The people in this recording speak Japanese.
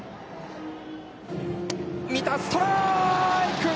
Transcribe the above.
見た、ストライク！